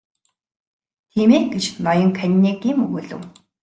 Тийм ээ гэж ноён Каннингем өгүүлэв.